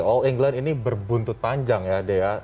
all england ini berbuntut panjang ya dea